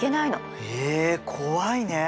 え怖いね。